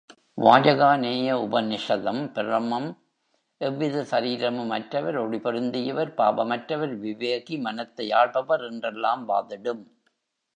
வாஜகாநேய உபநிஷதம் பிரமம் எவ்வித சரீரமும் அற்றவர், ஒளி பொருந்தியவர், பாவமற்றவர், விவேகி, மனத்தை ஆள்பவர் என்றெல்லாம் வாதிடும்.